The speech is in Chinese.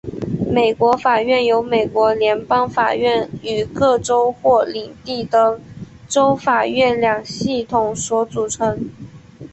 美国法院由美国联邦法院与各州或领地的州法院两系统所组成。